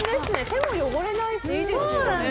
手も汚れないし、いいですね。